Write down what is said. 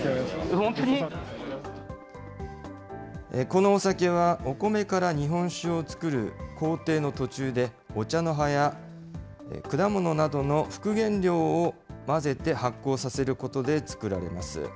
このお酒は、お米から日本酒を造る工程の途中で、お茶の葉や果物などの副原料を混ぜて発酵させることで造られます。